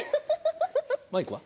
マイクは？